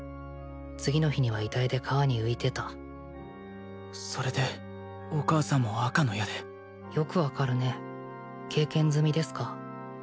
次の日には遺体で川に浮いてたそれでお母さんも赤の矢でよく分かるね経験済みですか？